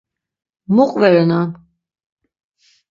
Mu qverenan?